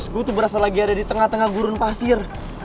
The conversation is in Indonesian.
gue tuh berasa lagi ada di tengah tengah gurun pasir